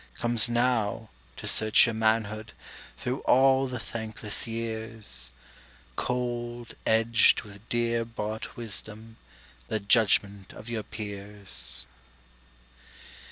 Comes now, to search your manhood Through all the thankless years, Cold, edged with dear bought wisdom, The judgment of your peers!